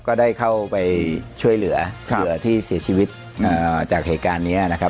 ก็ได้เข้าไปช่วยเหลือเหยื่อที่เสียชีวิตจากเหตุการณ์นี้นะครับ